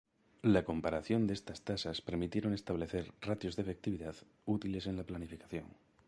La comparación de estas tasas permitieron establecer "ratios de efectividad" útiles en la planificación.